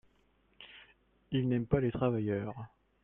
Ils n’aiment pas les travailleurs.